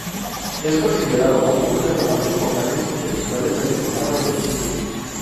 Es considerado como uno de los más importantes intelectuales venezolanos del siglo.